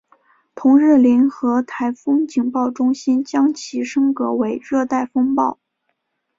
同日联合台风警报中心将其升格为热带风暴。